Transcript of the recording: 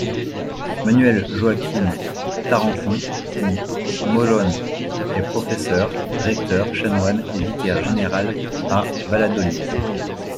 Manuel Joaquín Tarancón y Morón est professeur, recteur, chanoine et vicaire général à Valladolid.